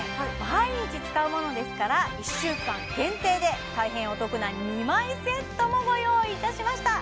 毎日使うものですから１週間限定で大変お得な２枚セットもご用意いたしました